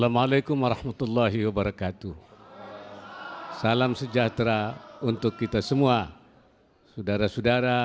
assalamualaikum warahmatullahi wabarakatuh salam sejahtera untuk kita semua saudara saudara